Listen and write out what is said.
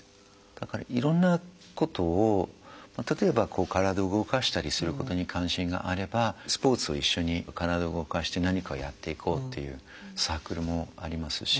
だからいろんなことを例えば体を動かしたりすることに関心があればスポーツを一緒に体を動かして何かをやっていこうっていうサークルもありますし